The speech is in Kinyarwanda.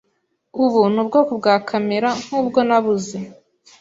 Ubu ni ubwoko bwa kamera nkubwo nabuze.